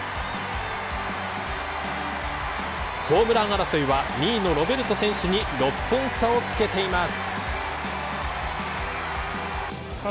ホームラン争いは２位のロベルト選手に６本差をつけています。